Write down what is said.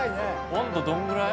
温度どれぐらい？